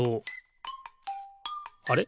あれ？